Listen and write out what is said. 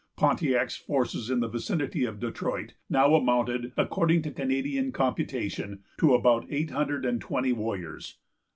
Pontiac's forces in the vicinity of Detroit now amounted, according to Canadian computation, to about eight hundred and twenty warriors.